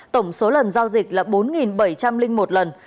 tổng số lần giao dịch là bốn bảy trăm linh một lần